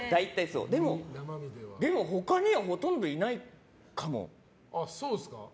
でも、他にはほとんどいないかも。